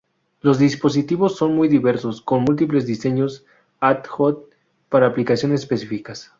Los dispositivos son muy diversos, con múltiples diseños "ad hoc" para aplicaciones específicas.